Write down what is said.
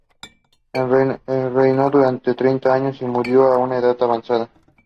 He was the Forest and Backward Class Welfare Minister of West Bengal Government.